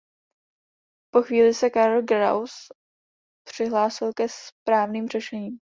Po chvíli se Karl Gauss přihlásil se správným řešením.